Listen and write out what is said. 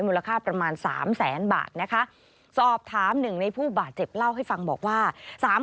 มูลค่าประมาณสามแสนบาทนะคะสอบถามหนึ่งในผู้บาดเจ็บเล่าให้ฟังบอกว่า